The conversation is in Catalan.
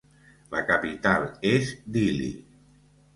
La capital és Dili.